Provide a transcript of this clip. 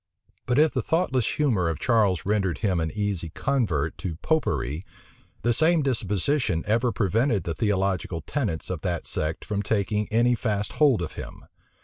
But if the thoughtless humor of Charles rendered him an easy convert to Popery, the same disposition ever prevented the theological tenets of that sect from taking any fast hold of him.